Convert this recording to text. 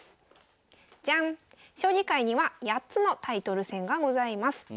将棋界には８つのタイトル戦がございます。